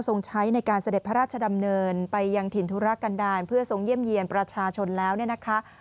ใช้ในการเสด็จพระราชดำเนินไปยังถิ่นธุรกันดาลเพื่อทรงเยี่ยมเยี่ยนประชาชนแล้วเนี่ยนะคะ